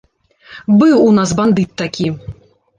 Быў у нас бандыт такі.